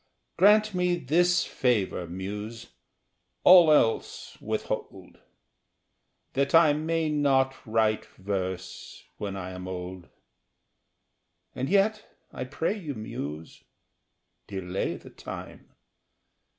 Grant me this favor, Muse all else withhold That I may not write verse when I am old. And yet I pray you, Muse, delay the time!